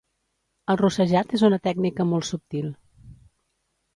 El rossejat és una tècnica molt subtil